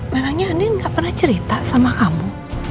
memangnya andiin gak pernah cerita sama kamu